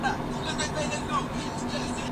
لارښود د مقالې وروستۍ بڼه نه ګوري.